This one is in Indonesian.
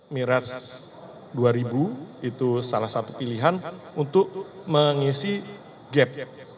miras dua ribu itu salah satu pilihan untuk mengisi gap